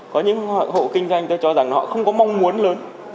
có những hộ kinh doanh tôi cho rằng họ không có mong muốn lớn